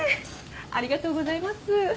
ありがとうございます。